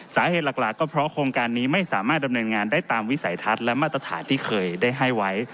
สาเหตุหลักก็เพราะโครงการนี้ไม่สามารถดำเนินงานได้ตามวิสัยทัศน์และมาตรฐานที่เคยได้ให้ไว้